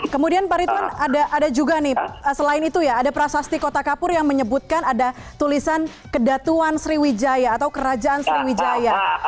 kemudian pak ritwan ada juga nih selain itu ya ada prasasti kota kapur yang menyebutkan ada tulisan kedatuan sriwijaya atau kerajaan sriwijaya